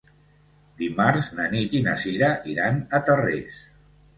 Dimarts na Nit i na Sira iran a Tarrés.